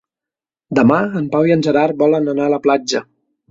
Demà en Pau i en Gerard volen anar a la platja.